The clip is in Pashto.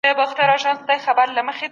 دا هم ترتيب دئ.